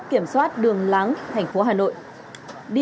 đi giao hàng tại một đường lãng thành phố hà nội